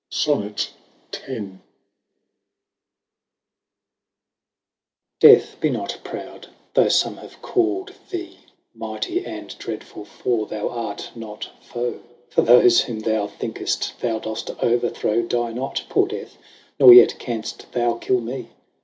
X. DEath be not proud, though fome have called thee Mighty and dreadfull, for, thou art not foe, For, thofe, whom thou think'ft, thou doft overthrow, Die not, poore death, nor yet canft thou kill mee.